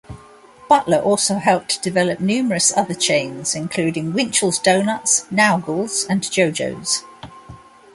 Butler also helped develop numerous other chains, including Winchell's Donuts, Naugles, and Jojo's.